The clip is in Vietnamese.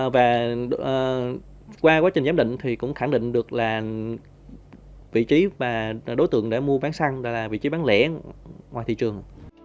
và qua quá trình giám định thì cũng khẳng định được là vị trí và đối tượng để mua bán xăng là vị trí bán lẻ ngoài thị trường